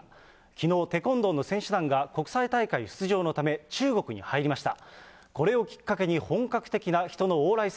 きのう、テコンドーの選手団が国際大会出場のため、中国に入りました。